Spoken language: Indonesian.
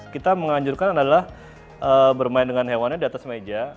kita menganjurkan adalah bermain dengan hewannya di atas meja